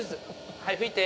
はい、吹いてー。